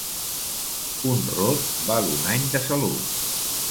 Un rot val un any de salut.